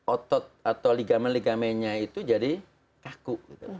otot atau ligamen ligamennya itu jadi kaku